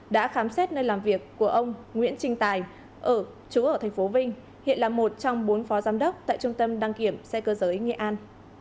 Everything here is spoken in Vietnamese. đã khám xét nơi làm việc của ông nguyễn trinh tài ở chú ở tp vinh hiện là một trong bốn phó giám đốc tại trung tâm đăng kiểm xe cơ giới nghệ an